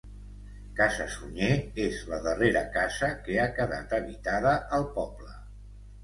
Casa Sunyer és la darrera casa que ha quedat habitada al poble.